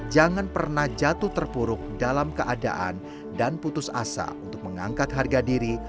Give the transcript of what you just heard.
jangan pernah jatuh terpuruk dalam keadaan dan putus asa untuk mengangkat harga diri